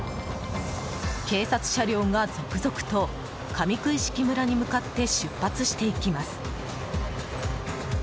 警察車両が続々と上九一色村に向かって出発していきます。